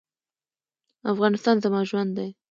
افغانستان زما ژوند دی؟